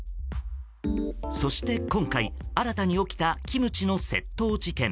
そして今回、新たに起きたキムチの窃盗事件。